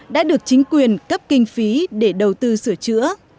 đã được chính quyền cấp kinh phí để đầu tư sửa chữa